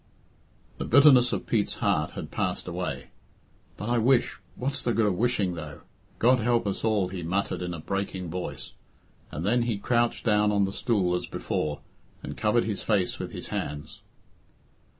The bitterness of Pete's heart had passed away. "But I wish what's the good of wishing, though? God help us all," he muttered, in a breaking voice, and then he crouched down on the stool as before and covered his face with his hands..